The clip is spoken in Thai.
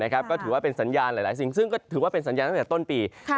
ก็ถือว่าเป็นสัญญาณหลายสิ่งซึ่งก็ถือว่าเป็นสัญญาณตั้งแต่ต้นปี